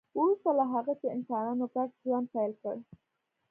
وروسته له هغه چې انسانانو ګډ ژوند پیل کړ